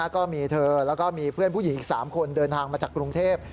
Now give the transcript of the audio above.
ก็มีเธอแล้วก็มีเพื่อนผู้หญิงอีก๓คนเดินทางมาจากกรุงเทพ